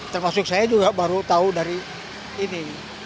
termasuk saya juga baru tahu dari ini